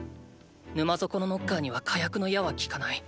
沼底のノッカーには火薬の矢は効かない。